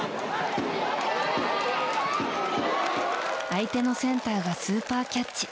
相手のセンターがスーパーキャッチ。